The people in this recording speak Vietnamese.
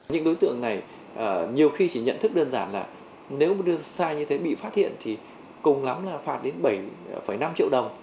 những đối tượng này nhiều khi chỉ nhận thức đơn giản là nếu sai như thế bị phát hiện thì cùng lắm là phạt đến bảy năm triệu đồng